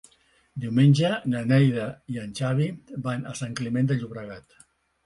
Diumenge na Neida i en Xavi van a Sant Climent de Llobregat.